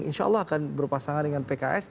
insya allah akan berpasangan dengan pks